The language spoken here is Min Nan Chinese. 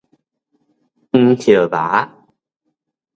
黃葉猫